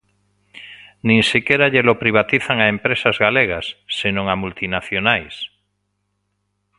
Nin sequera llelo privatizan a empresas galegas, senón a multinacionais.